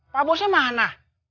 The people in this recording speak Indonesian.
pak bosnya mana